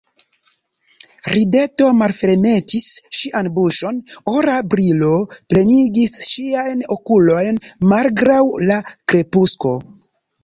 Rideto malfermetis ŝian buŝon, ora brilo plenigis ŝiajn okulojn, malgraŭ la krepusko.